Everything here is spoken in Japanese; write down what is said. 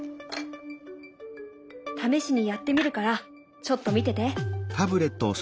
試しにやってみるからちょっと見てて。